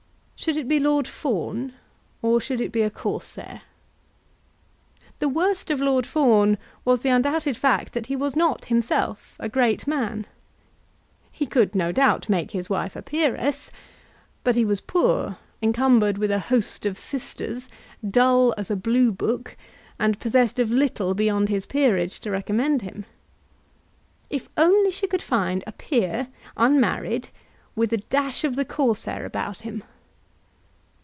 Should it be Lord Fawn or should it be a Corsair? The worst of Lord Fawn was the undoubted fact that he was not himself a great man. He could, no doubt, make his wife a peeress; but he was poor, encumbered with a host of sisters, dull as a blue book, and possessed of little beyond his peerage to recommend him. If she could only find a peer, unmarried, with a dash of the Corsair about him!